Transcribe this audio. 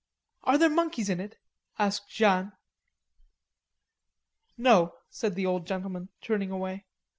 "Are there monkeys in it?" asked Jeanne. "No," said the old gentleman turning away.